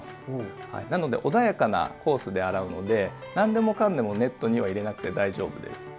なので穏やかなコースで洗うので何でもかんでもネットには入れなくて大丈夫です。